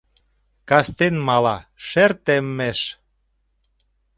Кастен мала шер теммеш